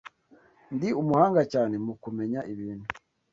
Ndi umuhanga cyane mu kumenya ibintu.